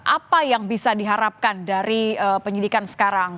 apa yang bisa diharapkan dari penyidikan sekarang